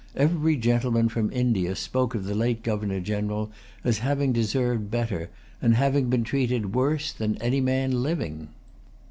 Every gentleman from India spoke of the late Governor General as having deserved better, and having been treated worse, than any man living.